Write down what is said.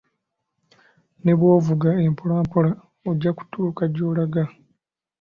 Ne bwovuga empola empola ojja kutuuka gy'olaga.